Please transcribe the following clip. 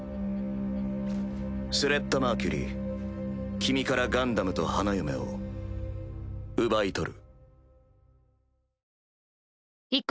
スレッタ・マーキュリー君からガンダムと花嫁を奪い取る。